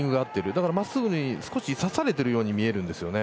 だから、真っすぐに少し差されてるように見えるんですね。